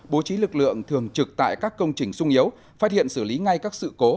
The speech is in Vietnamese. bố trí lực lượng thường trực tại các công trình sung yếu phát hiện xử lý ngay các sự cố